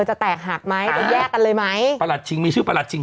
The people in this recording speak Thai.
จะแตกหักไหมจะแยกกันเลยไหมประหลัดชิงมีชื่อประหลัดชิง